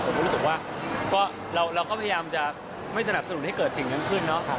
ผมก็รู้สึกว่าเราก็พยายามจะไม่สนับสนุนให้เกิดสิ่งนั้นขึ้นเนาะ